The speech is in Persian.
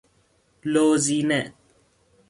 لوزینه